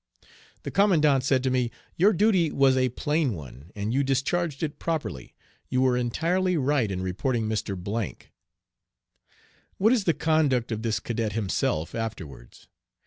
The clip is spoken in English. The commandant said to me: "Your duty was a plain one, and you discharged it properly. You were entirely right in reporting Mr. ." What is the conduct of this cadet himself afterwards?